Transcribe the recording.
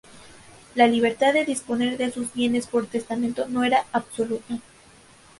La libertad de disponer de sus bienes por testamento no era absoluta.